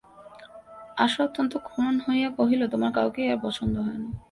আশা অত্যন্ত ক্ষুণ্ন হইয়া কহিল, তোমার কাউকে আর পছন্দই হয় না।